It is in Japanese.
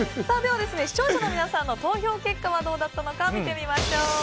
では視聴者の皆さんの投票結果はどうだったのか見てみましょう。